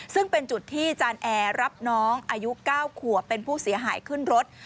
ซึ่งเป็นจุดที่จานแอร์รับน้องอายุ๙ขวบเป็นผู้เสียหายขึ้นรถ